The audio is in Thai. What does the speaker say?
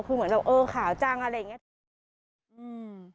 คือเหมือนเราเออขาวจังอะไรอย่างนี้